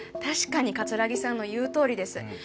確かに桂木さんの言うとおりです。